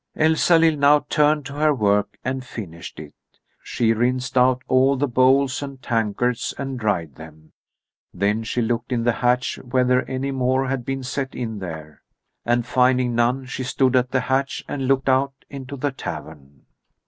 Elsalill now turned to her work and finished it. She rinsed out all the bowls and tankards and dried them. Then she looked in the hatch whether any more had been set in there, and finding none she stood at the hatch and looked out into the tavern.